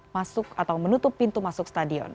menutup pintu masuk stadion